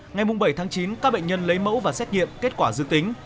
ngày bảy chín các bệnh nhân lấy mẫu và xét nghiệm kết quả dương tính